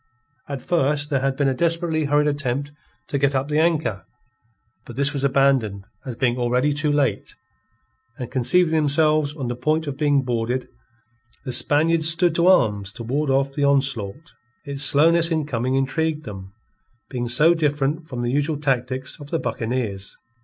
At first there had been a desperately hurried attempt to get up the anchor; but this was abandoned as being already too late; and conceiving themselves on the point of being boarded, the Spaniards stood to arms to ward off the onslaught. Its slowness in coming intrigued them, being so different from the usual tactics of the buccaneers.